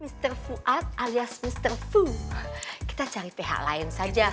mister fuat alias mister fu kita cari pihak lain saja